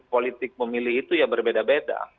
politik memilih itu ya berbeda beda